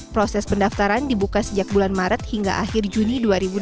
proses pendaftaran dibuka sejak bulan maret hingga akhir juni dua ribu dua puluh